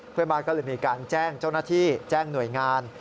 เพื่อนบ้านก็เลยมีการแจ้งเจ้าหน้าที่แจ้งหน่วยงาน